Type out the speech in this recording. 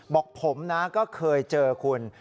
บอกผมนะก็เคยเจอคุณ